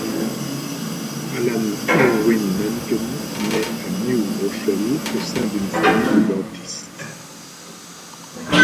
Alan Irwin Menken naît à New Rochelle au sein d'une famille de dentistes.